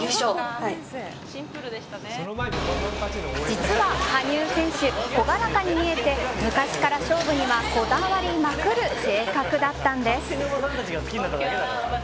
実は、羽生選手朗らかに見えて昔から勝負にはこだわりまくる性格だったんです。